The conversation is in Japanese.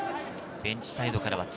ベンチサイドからは次！